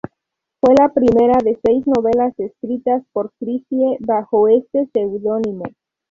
Fue la primera de seis novelas escritas por Christie bajo este seudónimo.